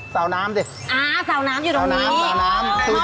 สาวน้ำเถอะสาวน้ำอยู่ตรงนี้พ่อเลื่อนมาสาวน้ำสาวน้ำ